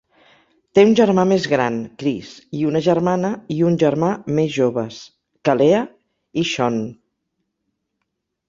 Té un germà més gran, Chris, i una germana i un germà més joves, Calea i Sean.